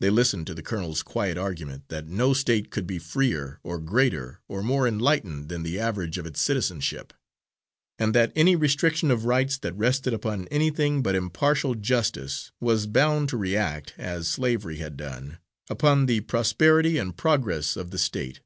They listened to the colonel's quiet argument that no State could be freer or greater or more enlightened than the average of its citizenship, and that any restriction of rights that rested upon anything but impartial justice, was bound to re act, as slavery had done, upon the prosperity and progress of the State.